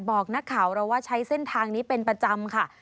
บอกนักข่าวเราว่าใช้เส้นทางนี้เป็นประจำค่ะ